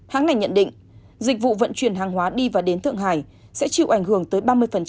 hãng này nhận định dịch vụ vận chuyển hàng hóa đi và đến thượng hải sẽ chịu ảnh hưởng tới ba mươi